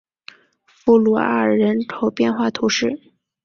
弗鲁阿尔人口变化图示